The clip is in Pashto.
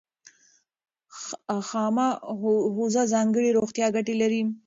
خامه هوږه ځانګړې روغتیایي ګټې لري.